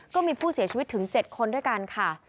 ก็มีผู้เสียชีวิตถึง๗คนด้วยกันค่ะ